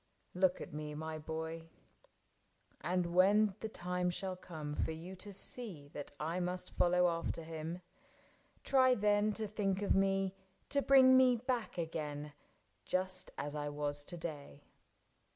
,.. Look at me, my boy, And when the time shall come for you to see That I must follow after him, try then To think of me, to bring me back again, Just as I was to day.